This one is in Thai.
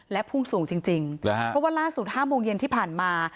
และพุ่งสูงจริงเพราะว่าล่าสุด๕โมงเย็นที่ผ่านมา